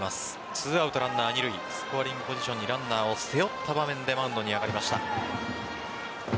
２アウトランナー二塁スコアリングポジションにランナーを背負った場面でマウンドに上がりました。